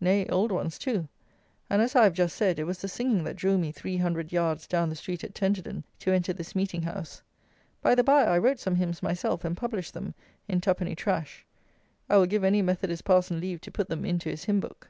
Nay, old ones too; and, as I have just said, it was the singing that drew me three hundred yards down the street at Tenterden, to enter this meeting house. By the by, I wrote some Hymns myself, and published them in "Twopenny Trash." I will give any Methodist parson leave to put them into his hymn book.